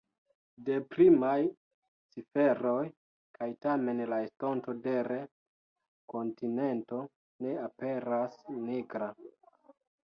Deprimaj ciferoj, kaj tamen la estonto de l’ kontinento ne aperas nigra.